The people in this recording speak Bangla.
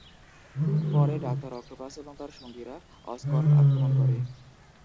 পরে, ডাক্তার অক্টোপাস এবং তার সঙ্গীরা অসকর্প আক্রমণ করে।